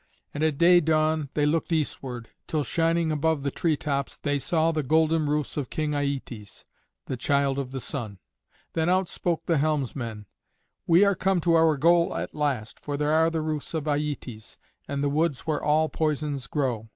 And at day dawn they looked eastward, till, shining above the tree tops, they saw the golden roofs of King Aietes, the Child of the Sun. Then out spoke the helmsman, "We are come to our goal at last, for there are the roofs of Aietes, and the woods where all poisons grow.